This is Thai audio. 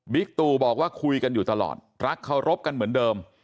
ตู่บอกว่าคุยกันอยู่ตลอดรักเคารพกันเหมือนเดิม